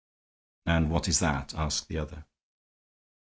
"And what is that?" asked the other.